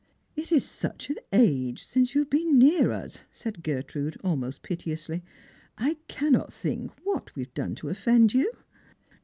" It is such an age since you have been near tib," said Gertrude, almost piteously. " 1 cannot think what we have done to offend you.